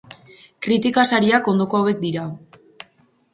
Kritika Sariak ondoko hauek dira.